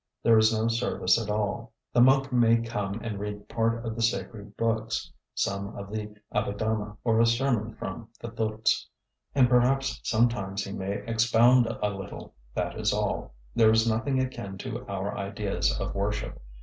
There is no service at all. The monk may come and read part of the sacred books some of the Abidama, or a sermon from the Thoots and perhaps sometimes he may expound a little; that is all. There is nothing akin to our ideas of worship.